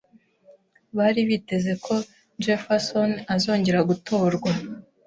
Bari biteze ko Jefferson azongera gutorwa.